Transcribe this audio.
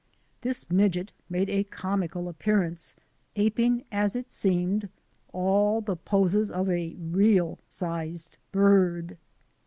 This midget made a comical appearance, aping, as it seemed, all the poses of a real sized bird.